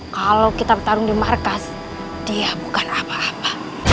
kalau kita bertarung di markas dia bukan apa apa